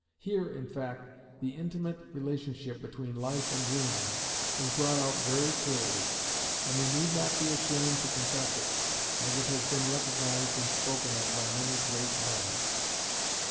Here, in fact, the intimate relationship between life and dreams is brought out very clearly, and we need not be ashamed to confess it, as it has been recognised and spoken of by many great men.